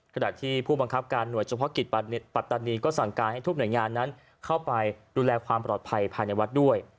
ขณะที่ผู้บังคับการหน่วยเฉพาะกิจปัตตานีก็สั่งการให้ทุกหน่วยงานนั้นเข้าไปดูแลความปลอดภัยภายในวัดด้วย